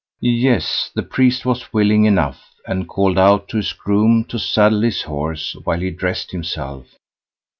Yes! the priest was willing enough, and called out to his groom, to saddle his horse, while he dressed himself.